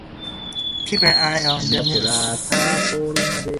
Keep an eye on the news.